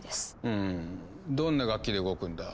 うむどんな楽器で動くんだ？